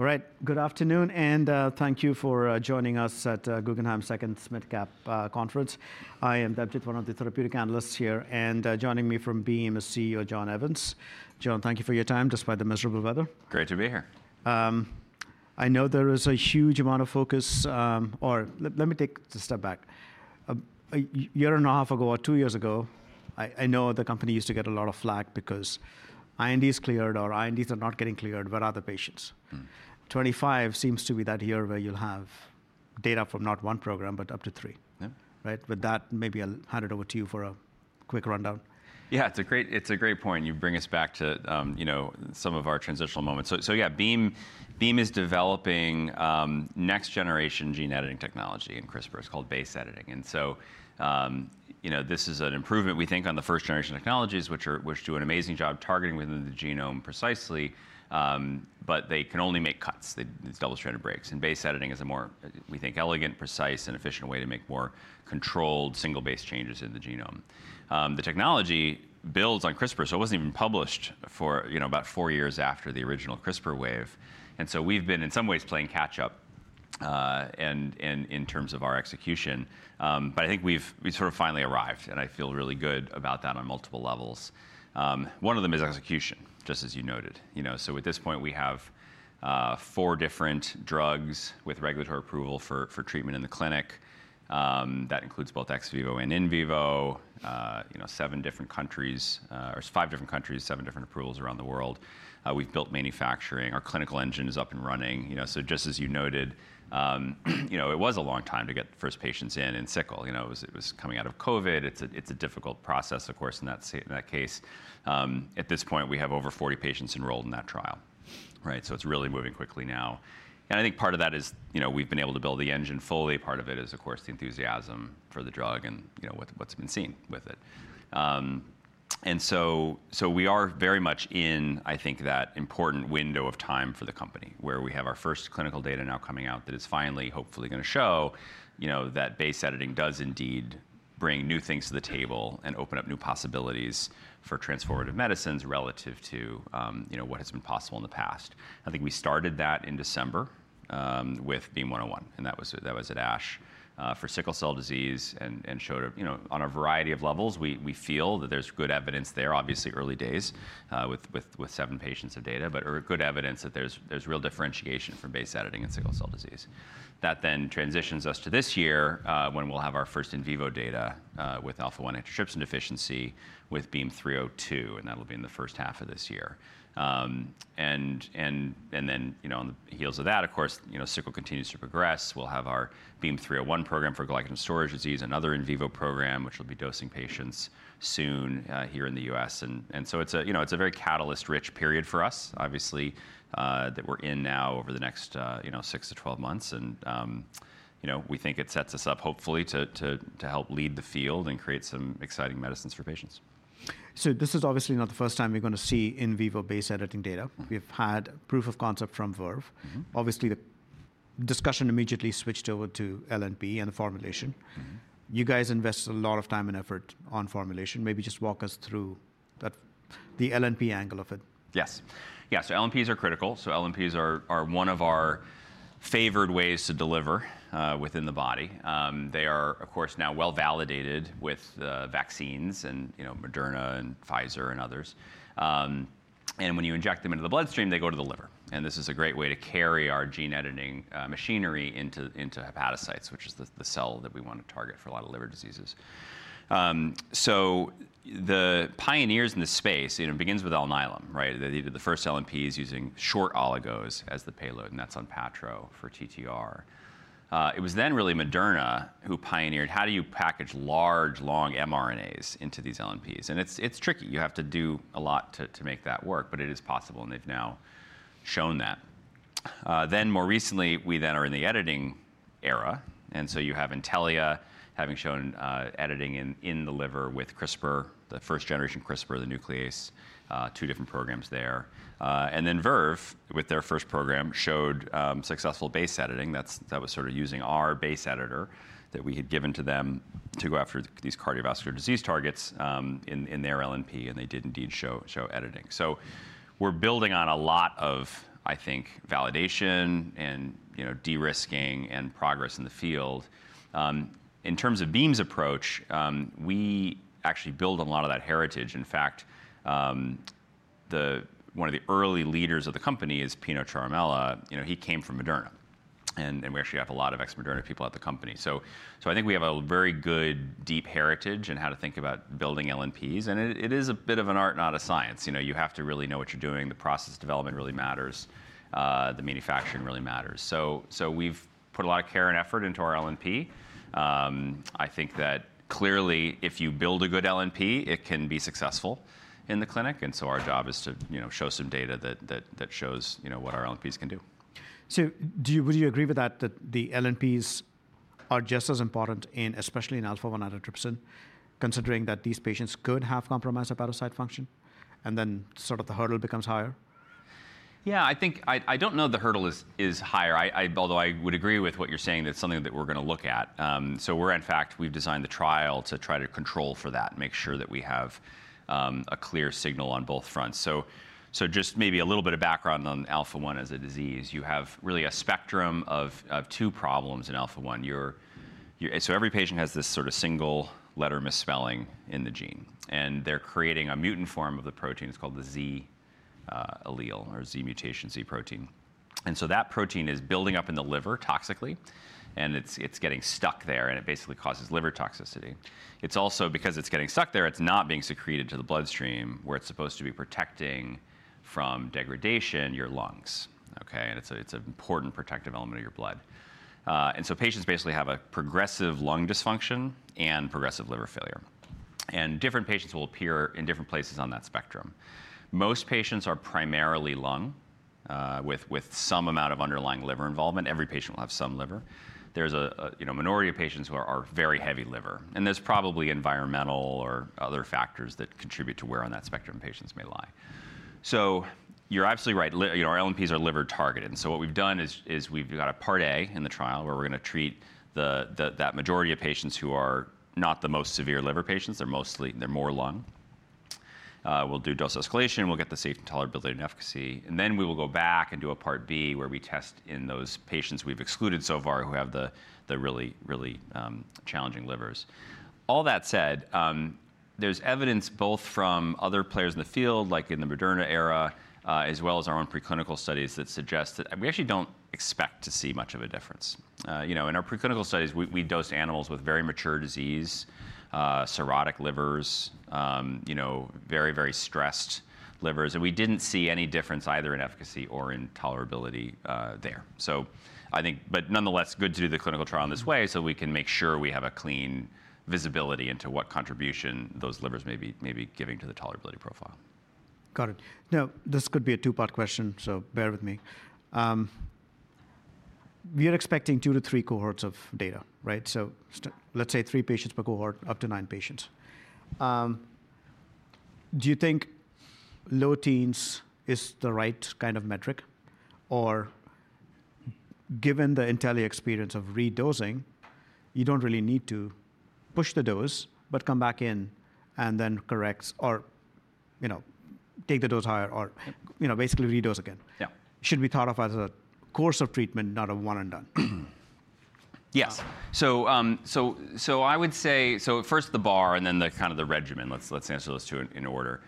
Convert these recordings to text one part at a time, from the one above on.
All right. Good afternoon, and thank you for joining us at Guggenheim Second SMID Cap Conference. I am Debjit one of Therapeutics Analyst here, and joining me from Beam is CEO John Evans. John, thank you for your time despite the miserable weather. Great to be here. I know there is a huge amount of focus, or let me take a step back. A year and a half ago, or two years ago, I know the company used to get a lot of flack because INDs cleared, or INDs are not getting cleared, but other patients. 2025 seems to be that year where you'll have data from not one program, but up to three. With that, maybe I'll hand it over to you for a quick rundown. Yeah, it's a great point. You bring us back to some of our transitional moments. So yeah, Beam is developing next-generation gene editing technology in CRISPR, it's called base editing. And so this is an improvement, we think, on the first-generation technologies, which do an amazing job targeting within the genome precisely, but they can only make cuts. It's double-stranded breaks. And base editing is a more, we think, elegant, precise, and efficient way to make more controlled, single-base changes in the genome. The technology builds on CRISPR, so it wasn't even published for about four years after the original CRISPR wave. And so we've been, in some ways, playing catch-up in terms of our execution. But I think we've sort of finally arrived, and I feel really good about that on multiple levels. One of them is execution, just as you noted. At this point, we have four different drugs with regulatory approval for treatment in the clinic. That includes both ex vivo and in vivo, seven different countries, or five different countries, seven different approvals around the world. We've built manufacturing. Our clinical engine is up and running. Just as you noted, it was a long time to get the first patients in, and sickle. It was coming out of COVID. It's a difficult process, of course, in that case. At this point, we have over 40 patients enrolled in that trial. It's really moving quickly now. I think part of that is we've been able to build the engine fully. Part of it is, of course, the enthusiasm for the drug and what's been seen with it. And so we are very much in, I think, that important window of time for the company, where we have our first clinical data now coming out that is finally, hopefully, going to show that base editing does indeed bring new things to the table and open up new possibilities for transformative medicines relative to what has been possible in the past. I think we started that in December with BEAM-101, and that was at ASH for sickle cell disease and showed on a variety of levels. We feel that there's good evidence there, obviously early days with seven patients of data, but good evidence that there's real differentiation from base editing in sickle cell disease. That then transitions us to this year when we'll have our first in vivo data with Alpha-1 antitrypsin deficiency with BEAM-302, and that'll be in the first half of this year. And then on the heels of that, of course, sickle continues to progress. We'll have our BEAM-301 program for glycogen storage disease, another in vivo program, which will be dosing patients soon here in the U.S. And so it's a very catalyst-rich period for us, obviously, that we're in now over the next 6 to 12 months. And we think it sets us up, hopefully, to help lead the field and create some exciting medicines for patients. This is obviously not the first time you're going to see in vivo base editing data. We've had proof of concept from Verve. Obviously, the discussion immediately switched over to LNP and the formulation. You guys invest a lot of time and effort on formulation. Maybe just walk us through the LNP angle of it. Yes. Yeah, so LNPs are critical. So LNPs are one of our favored ways to deliver within the body. They are, of course, now well validated with vaccines and Moderna and Pfizer and others. And when you inject them into the bloodstream, they go to the liver. And this is a great way to carry our gene editing machinery into hepatocytes, which is the cell that we want to target for a lot of liver diseases. So the pioneers in this space, it begins with Alnylam. The first LNP is using short oligos as the payload, and that's Onpattro for TTR. It was then really Moderna who pioneered how do you package large, long mRNAs into these LNPs. And it's tricky. You have to do a lot to make that work, but it is possible, and they've now shown that. Then more recently, we then are in the editing era. And so you have Intellia having shown editing in the liver with CRISPR, the first-generation CRISPR, the nuclease, two different programs there. And then Verve, with their first program, showed successful base editing. That was sort of using our base editor that we had given to them to go after these cardiovascular disease targets in their LNP, and they did indeed show editing. So we're building on a lot of, I think, validation and de-risking and progress in the field. In terms of Beam's approach, we actually build on a lot of that heritage. In fact, one of the early leaders of the company is Pino Ciaramella. He came from Moderna, and we actually have a lot of ex-Moderna people at the company. So I think we have a very good deep heritage in how to think about building LNPs. It is a bit of an art, not a science. You have to really know what you're doing. The process development really matters. The manufacturing really matters. We've put a lot of care and effort into our LNP. I think that clearly, if you build a good LNP, it can be successful in the clinic. Our job is to show some data that shows what our LNPs can do. So would you agree with that, that the LNPs are just as important in, especially in Alpha-1 antitrypsin, considering that these patients could have compromised hepatocyte function? And then sort of the hurdle becomes higher? Yeah, I think, I don't know, the hurdle is higher, although I would agree with what you're saying that it's something that we're going to look at, so in fact, we've designed the trial to try to control for that and make sure that we have a clear signal on both fronts, so just maybe a little bit of background on Alpha-1 as a disease. You have really a spectrum of two problems in Alpha-1, so every patient has this sort of single letter misspelling in the gene, and they're creating a mutant form of the protein. It's called the Z allele or Z mutation, Z protein, and so that protein is building up in the liver toxically, and it's getting stuck there, and it basically causes liver toxicity. It's also because it's getting stuck there. It's not being secreted to the bloodstream where it's supposed to be protecting from degradation, your lungs. And it's an important protective element of your blood. And so patients basically have a progressive lung dysfunction and progressive liver failure. And different patients will appear in different places on that spectrum. Most patients are primarily lung with some amount of underlying liver involvement. Every patient will have some liver. There's a minority of patients who are very heavy liver. And there's probably environmental or other factors that contribute to where on that spectrum patients may lie. So you're absolutely right. Our LNPs are liver-targeted. And so what we've done is we've got a Part A in the trial where we're going to treat that majority of patients who are not the most severe liver patients. They're more lung. We'll do dose escalation. We'll get the safety, tolerability, and efficacy, and then we will go back and do a Part B where we test in those patients we've excluded so far who have the really, really challenging livers. All that said, there's evidence both from other players in the field, like in the Moderna era, as well as our own preclinical studies that suggest that we actually don't expect to see much of a difference. In our preclinical studies, we dosed animals with very mature disease, cirrhotic livers, very, very stressed livers, and we didn't see any difference either in efficacy or in tolerability there, but nonetheless, good to do the clinical trial in this way so we can make sure we have a clean visibility into what contribution those livers may be giving to the tolerability profile. Got it. Now, this could be a two-part question, so bear with me. We are expecting two to three cohorts of data. So let's say three patients per cohort, up to nine patients. Do you think low teens is the right kind of metric? Or given the Intellia experience of redosing, you don't really need to push the dose, but come back in and then correct or take the dose higher or basically redose again. Should be thought of as a course of treatment, not a one-and-done. Yes. So I would say, so first the bar and then kind of the regimen. Let's answer those two in order.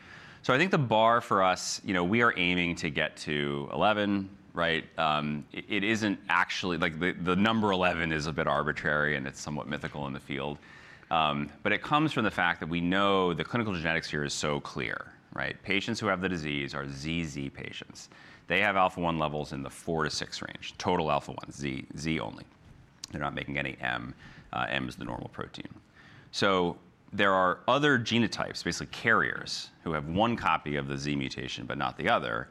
So I think the bar for us, we are aiming to get to 11. It isn't actually like the number 11 is a bit arbitrary, and it's somewhat mythical in the field. But it comes from the fact that we know the clinical genetics here is so clear. Patients who have the disease are ZZ patients. They have Alpha-1 levels in the four to six range, total Alpha-1, Z only. They're not making any M. M is the normal protein. So there are other genotypes, basically carriers, who have one copy of the Z mutation, but not the other,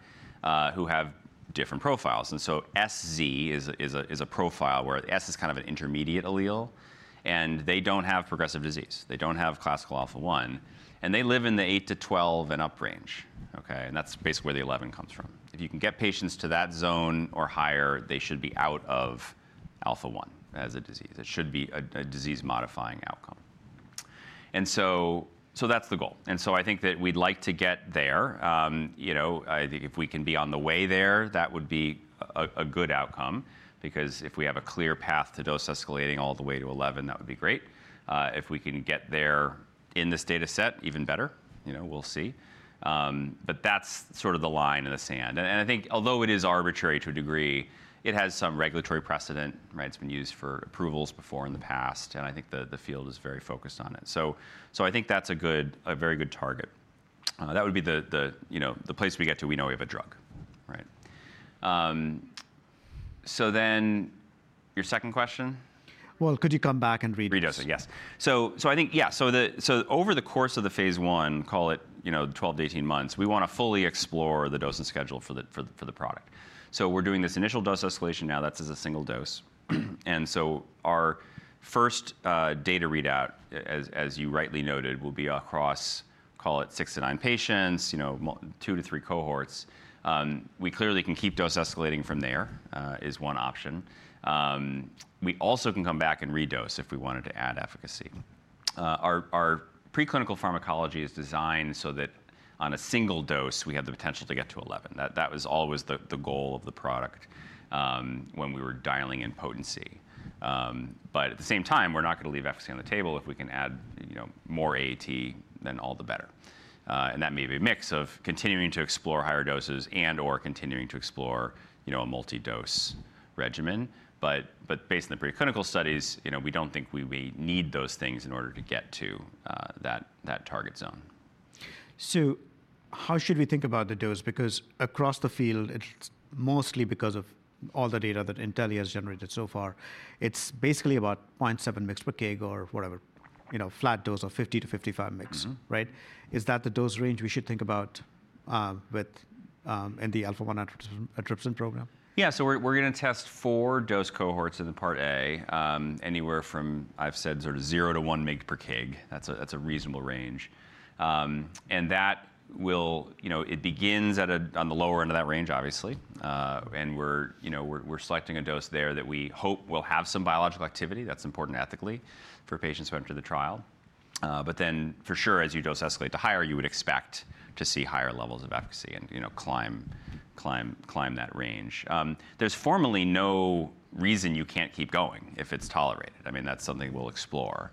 who have different profiles. And so SZ is a profile where S is kind of an intermediate allele. And they don't have progressive disease. They don't have classical Alpha-1. And they live in the 8-12 and up range. And that's basically where the 11 comes from. If you can get patients to that zone or higher, they should be out of Alpha-1 as a disease. It should be a disease-modifying outcome. And so that's the goal. And so I think that we'd like to get there. I think if we can be on the way there, that would be a good outcome. Because if we have a clear path to dose escalating all the way to 11, that would be great. If we can get there in this data set, even better. We'll see. But that's sort of the line in the sand. And I think although it is arbitrary to a degree, it has some regulatory precedent. It's been used for approvals before in the past. And I think the field is very focused on it. So I think that's a very good target. That would be the place we get to. We know we have a drug. So then your second question? Could you come back and read this? Redose it, yes. So I think, yeah, so over the course of the Phase 1, call it 12-18 months, we want to fully explore the dose and schedule for the product. So we're doing this initial dose escalation now. That's as a single dose. And so our first data readout, as you rightly noted, will be across, call it six to nine patients, two to three cohorts. We clearly can keep dose escalating from there, is one option. We also can come back and redose if we wanted to add efficacy. Our preclinical pharmacology is designed so that on a single dose, we have the potential to get to 11. That was always the goal of the product when we were dialing in potency. But at the same time, we're not going to leave efficacy on the table. If we can add more AAT, then all the better. And that may be a mix of continuing to explore higher doses and/or continuing to explore a multi-dose regimen. But based on the preclinical studies, we don't think we need those things in order to get to that target zone. So how should we think about the dose? Because across the field, mostly because of all the data that Intellia has generated so far, it's basically about 0.7 mg per kg or whatever, flat dose of 50-55 mg. Is that the dose range we should think about in the Alpha-1 antitrypsin program? Yeah, so we're going to test four dose cohorts in the Part A, anywhere from, I've said, sort of 0 to 1 mg per kg. That's a reasonable range, and it begins on the lower end of that range, obviously. And we're selecting a dose there that we hope will have some biological activity. That's important ethically for patients who enter the trial, but then for sure, as you dose escalate to higher, you would expect to see higher levels of efficacy and climb that range. There's formally no reason you can't keep going if it's tolerated. I mean, that's something we'll explore.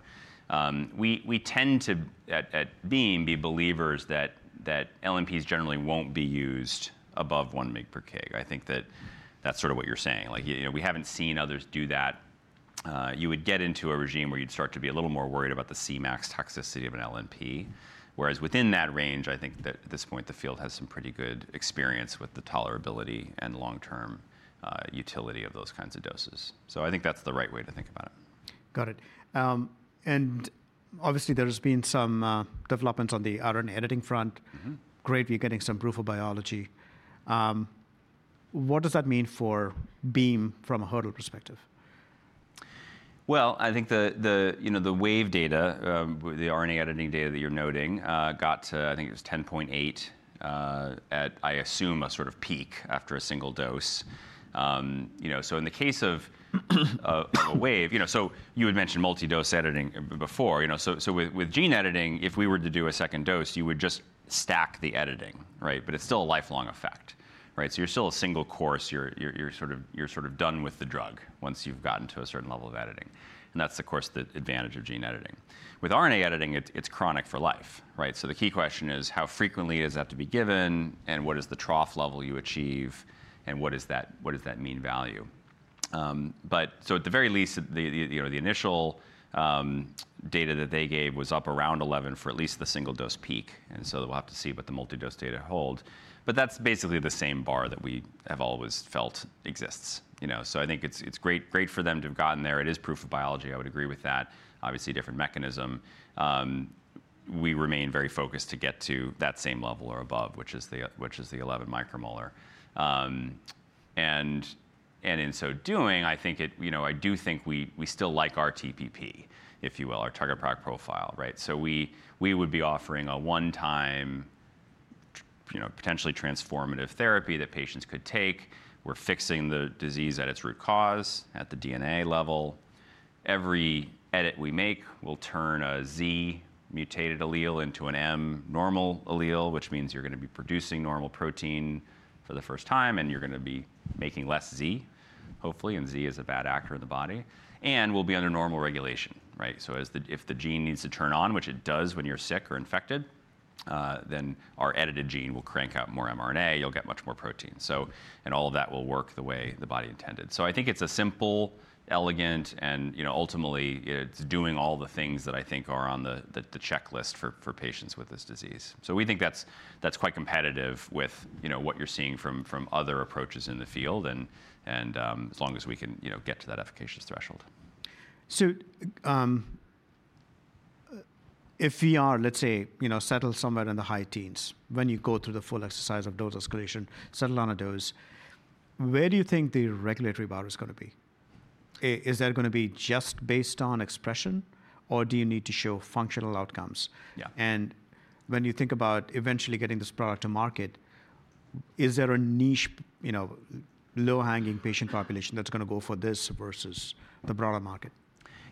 We tend to at Beam be believers that LNPs generally won't be used above 1 mg per kg. I think that that's sort of what you're saying. We haven't seen others do that. You would get into a regime where you'd start to be a little more worried about the Cmax toxicity of an LNP. Whereas within that range, I think that at this point, the field has some pretty good experience with the tolerability and long-term utility of those kinds of doses. So I think that's the right way to think about it. Got it. And obviously, there's been some developments on the RNA editing front. Great. We're getting some proof of biology. What does that mean for Beam from a hurdle perspective? I think the Wave data, the RNA editing data that you're noting, got to, I think it was 10.8, I assume a sort of peak after a single dose. In the case of a Wave, you had mentioned multi-dose editing before. With gene editing, if we were to do a second dose, you would just stack the editing. But it's still a lifelong effect. You're still a single course. You're sort of done with the drug once you've gotten to a certain level of editing. And that's, of course, the advantage of gene editing. With RNA editing, it's chronic for life. The key question is, how frequently does that have to be given? And what is the trough level you achieve? And what is that mean value? So at the very least, the initial data that they gave was up around 11 for at least the single dose peak. And so we'll have to see what the multi-dose data hold. But that's basically the same bar that we have always felt exists. So I think it's great for them to have gotten there. It is proof of biology. I would agree with that. Obviously, different mechanism. We remain very focused to get to that same level or above, which is the 11 micromolar. And in so doing, I think I do think we still like our TPP, if you will, our target product profile. So we would be offering a one-time potentially transformative therapy that patients could take. We're fixing the disease at its root cause at the DNA level. Every edit we make will turn a Z mutated allele into an M normal allele, which means you're going to be producing normal protein for the first time, and you're going to be making less Z, hopefully, and Z is a bad actor in the body, and we'll be under normal regulation. So if the gene needs to turn on, which it does when you're sick or infected, then our edited gene will crank out more mRNA. You'll get much more protein, and all of that will work the way the body intended, so I think it's a simple, elegant, and ultimately, it's doing all the things that I think are on the checklist for patients with this disease, so we think that's quite competitive with what you're seeing from other approaches in the field, and as long as we can get to that efficacious threshold. So if we are, let's say, settled somewhere in the high teens, when you go through the full exercise of dose escalation, settle on a dose, where do you think the regulatory bar is going to be? Is that going to be just based on expression? Or do you need to show functional outcomes? And when you think about eventually getting this product to market, is there a niche, low-hanging patient population that's going to go for this versus the broader market?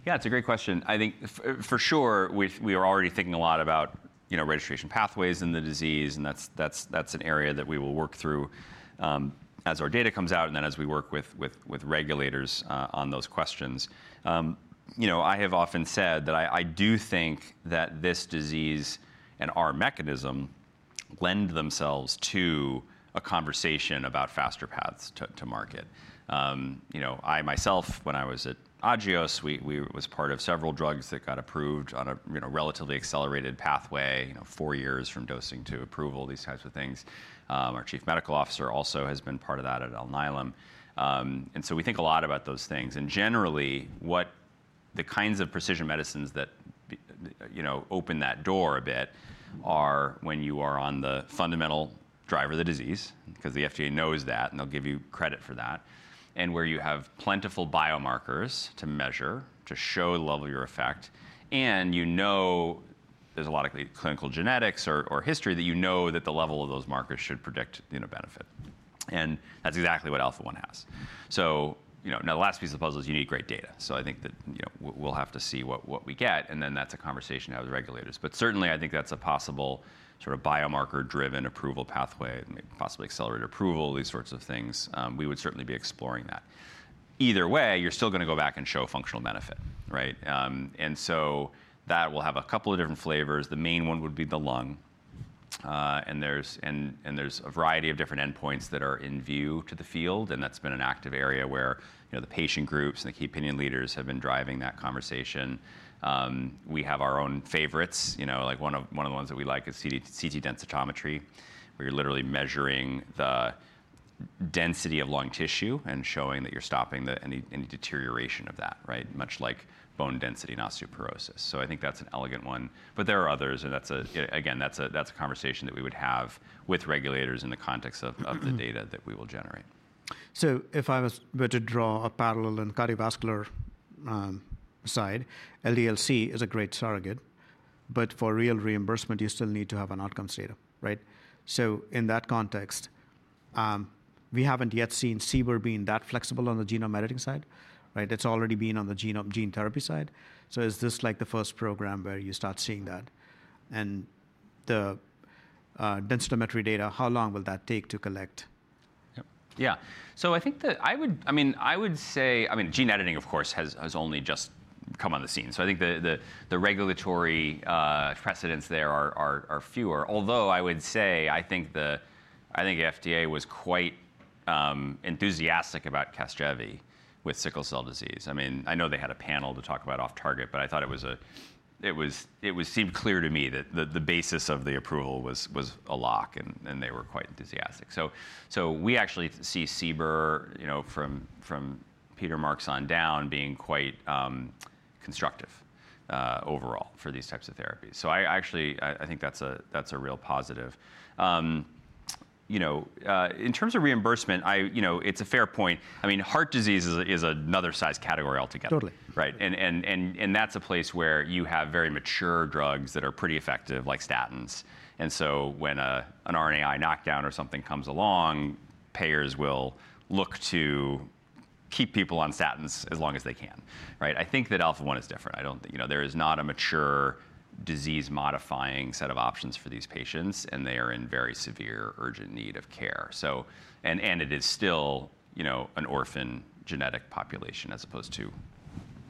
Yeah, it's a great question. I think for sure, we are already thinking a lot about registration pathways in the disease. And that's an area that we will work through as our data comes out and then as we work with regulators on those questions. I have often said that I do think that this disease and our mechanism lend themselves to a conversation about faster paths to market. I myself, when I was at Agios, we were part of several drugs that got approved on a relatively accelerated pathway, four years from dosing to approval, these types of things. Our Chief Medical Officer also has been part of that at Alnylam. And so we think a lot about those things. And generally, the kinds of precision medicines that open that door a bit are when you are on the fundamental driver of the disease, because the FDA knows that. And they'll give you credit for that. And where you have plentiful biomarkers to measure to show the level of your effect. And you know there's a lot of clinical genetics or history that you know that the level of those markers should predict benefit. And that's exactly what Alpha-1 has. So now the last piece of the puzzle is you need great data. So I think that we'll have to see what we get. And then that's a conversation to have with regulators. But certainly, I think that's a possible biomarker-driven approval pathway, possibly accelerated approval, these sorts of things. We would certainly be exploring that. Either way, you're still going to go back and show functional benefit. And so that will have a couple of different flavors. The main one would be the lung. And there's a variety of different endpoints that are in view to the field. And that's been an active area where the patient groups and the key opinion leaders have been driving that conversation. We have our own favorites. One of the ones that we like is CT densitometry, where you're literally measuring the density of lung tissue and showing that you're stopping any deterioration of that, much like bone density and osteoporosis. So I think that's an elegant one. But there are others. And again, that's a conversation that we would have with regulators in the context of the data that we will generate. So if I was to draw a parallel in the cardiovascular side, LDL-C is a great surrogate. But for real reimbursement, you still need to have an outcomes data. So in that context, we haven't yet seen CBER being that flexible on the genome editing side. It's already been on the gene therapy side. So is this like the first program where you start seeing that? And the densitometry data, how long will that take to collect? Yeah. So I think that I would say, I mean, gene editing, of course, has only just come on the scene. So I think the regulatory precedents there are fewer. Although I would say, I think the FDA was quite enthusiastic about CASGEVY with sickle cell disease. I mean, I know they had a panel to talk about off target. But I thought it seemed clear to me that the basis of the approval was a lock. And they were quite enthusiastic. So we actually see CBER from Peter Marks on down being quite constructive overall for these types of therapies. So I think that's a real positive. In terms of reimbursement, it's a fair point. I mean, heart disease is another size category altogether. Totally. And that's a place where you have very mature drugs that are pretty effective, like statins. And so when an RNAi knockdown or something comes along, payers will look to keep people on statins as long as they can. I think that Alpha-1 is different. There is not a mature disease-modifying set of options for these patients. And they are in very severe urgent need of care. And it is still an orphan genetic population as opposed to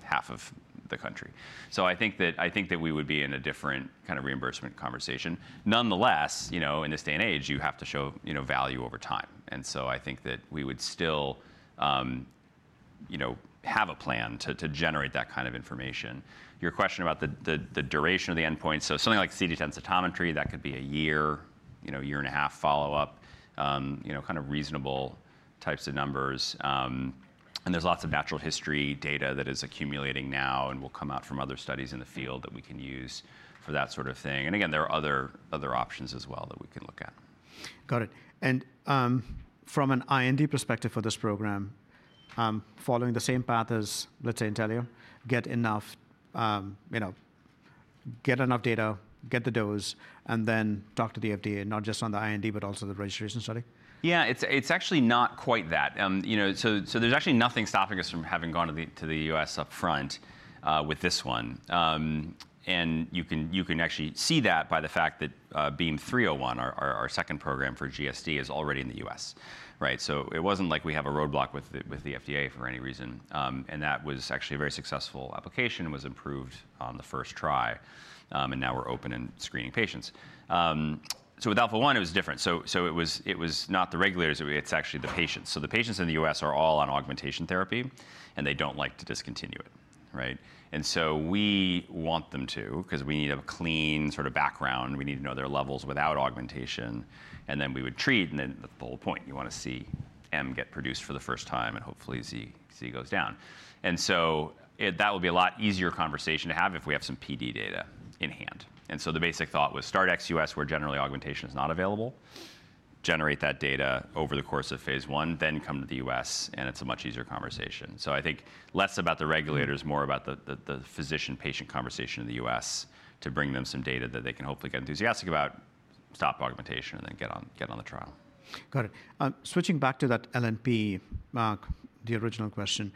half of the country. So I think that we would be in a different kind of reimbursement conversation. Nonetheless, in this day and age, you have to show value over time. And so I think that we would still have a plan to generate that kind of information. Your question about the duration of the endpoint, so something like CT densitometry, that could be a year, year and a half follow-up, kind of reasonable types of numbers. And there's lots of natural history data that is accumulating now and will come out from other studies in the field that we can use for that sort of thing. And again, there are other options as well that we can look at. Got it. And from an IND perspective for this program, following the same path as, let's say, Intellia, get enough data, get the dose, and then talk to the FDA, not just on the IND, but also the registration study? Yeah, it's actually not quite that, so there's actually nothing stopping us from having gone to the U.S. upfront with this one, and you can actually see that by the fact that BEAM-301, our second program for GSD, is already in the U.S., so it wasn't like we have a roadblock with the FDA for any reason, and that was actually a very successful application. It was approved on the first try, and now we're open and screening patients, so with Alpha-1, it was different, so it was not the regulators. It's actually the patients, so the patients in the U.S. are all on augmentation therapy, and they don't like to discontinue it, and so we want them to, because we need a clean sort of background. We need to know their levels without augmentation, and then we would treat. And then the whole point, you want to see M get produced for the first time. And hopefully, Z goes down. And so that would be a lot easier conversation to have if we have some PD data in hand. And so the basic thought was, start ex-U.S. where generally augmentation is not available, generate that data over the course of Phase 1, then come to the U.S. And it's a much easier conversation. So I think less about the regulators, more about the physician-patient conversation in the U.S. to bring them some data that they can hopefully get enthusiastic about, stop augmentation, and then get on the trial. Got it. Switching back to that LNP, the original question,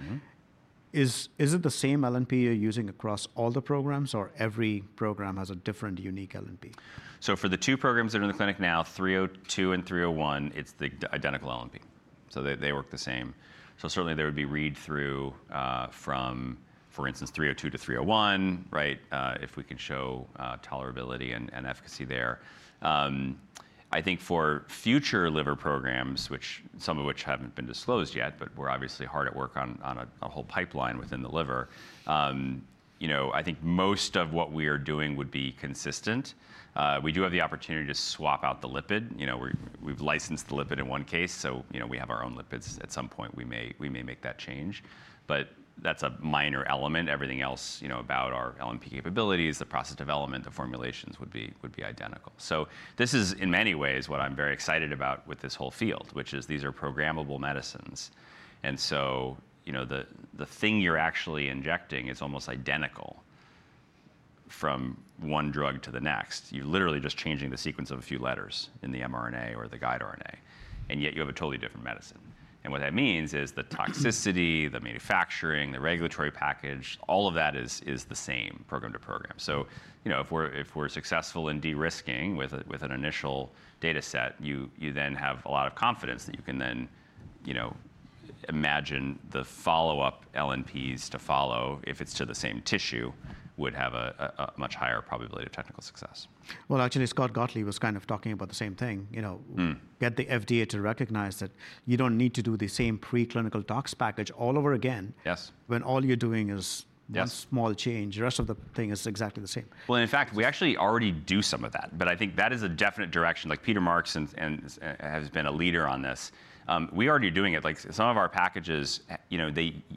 is it the same LNP you're using across all the programs? Or every program has a different unique LNP? So for the two programs that are in the clinic now, 302 and 301, it's the identical LNP. So they work the same. So certainly, there would be read-through from, for instance, 302 to 301 if we can show tolerability and efficacy there. I think for future liver programs, some of which haven't been disclosed yet, but we're obviously hard at work on a whole pipeline within the liver, I think most of what we are doing would be consistent. We do have the opportunity to swap out the lipid. We've licensed the lipid in one case. So we have our own lipids. At some point, we may make that change. But that's a minor element. Everything else about our LNP capabilities, the process development, the formulations would be identical. So this is, in many ways, what I'm very excited about with this whole field, which is these are programmable medicines. And so the thing you're actually injecting is almost identical from one drug to the next. You're literally just changing the sequence of a few letters in the mRNA or the guide RNA. And yet you have a totally different medicine. And what that means is the toxicity, the manufacturing, the regulatory package, all of that is the same program to program. So if we're successful in de-risking with an initial data set, you then have a lot of confidence that you can then imagine the follow-up LNPs to follow, if it's to the same tissue, would have a much higher probability of technical success. Well, actually, Scott Gottlieb was kind of talking about the same thing. Get the FDA to recognize that you don't need to do the same preclinical tox package all over again when all you're doing is one small change. The rest of the thing is exactly the same. In fact, we actually already do some of that. I think that is a definite direction. Peter Marks has been a leader on this. We are already doing it. Some of our packages,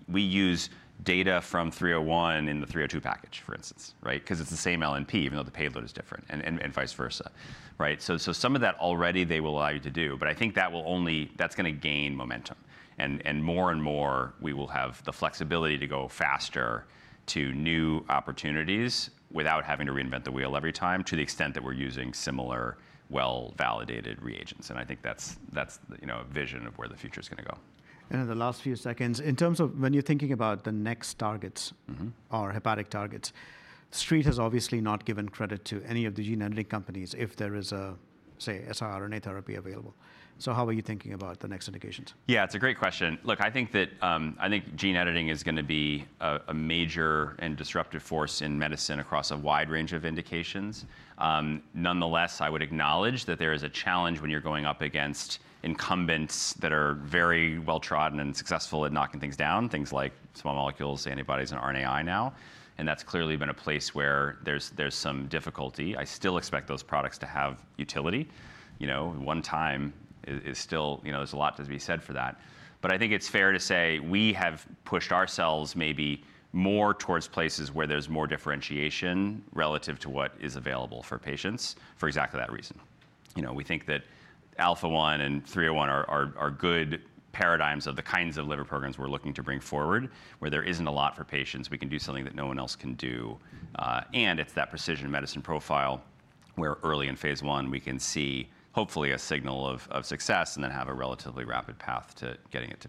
we use data from 301 in the 302 package, for instance, because it's the same LNP, even though the payload is different and vice versa. Some of that already they will allow you to do. I think that's going to gain momentum. More and more, we will have the flexibility to go faster to new opportunities without having to reinvent the wheel every time to the extent that we're using similar, well-validated reagents. I think that's a vision of where the future is going to go. In the last few seconds, in terms of when you're thinking about the next targets or hepatic targets, Street has obviously not given credit to any of the gene editing companies if there is a, say, siRNA therapy available. So how are you thinking about the next indications? Yeah, it's a great question. Look, I think gene editing is going to be a major and disruptive force in medicine across a wide range of indications. Nonetheless, I would acknowledge that there is a challenge when you're going up against incumbents that are very well-trodden and successful at knocking things down, things like small molecules, antibodies, and RNAi now, and that's clearly been a place where there's some difficulty. I still expect those products to have utility. One time is still, there's a lot to be said for that, but I think it's fair to say we have pushed ourselves maybe more towards places where there's more differentiation relative to what is available for patients for exactly that reason. We think that Alpha-1 and 301 are good paradigms of the kinds of liver programs we're looking to bring forward where there isn't a lot for patients. We can do something that no one else can do. And it's that precision medicine profile where early in Phase 1, we can see hopefully a signal of success and then have a relatively rapid path to getting it to.